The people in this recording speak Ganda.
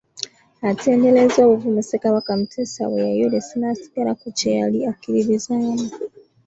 Atenderezza obuvumu Ssekabaka Muteesa bwe yayolesa n’asigala ku kye yali akkirizizaamu.